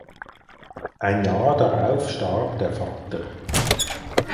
Ein Jahr darauf starb der Vater.